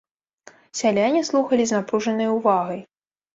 Сяляне слухалі з напружанай увагай.